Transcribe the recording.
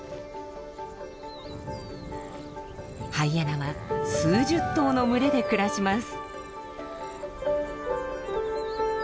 ハイエナは数十頭の群れで暮らします。